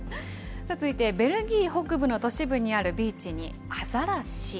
続いてベルギー北部の都市部にあるビーチに、アザラシ。